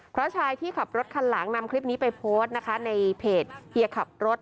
เพราะชายที่ขับรถคันหลังนำคลิปนี้ไปโพสต์นะคะในเพจเฮียขับรถ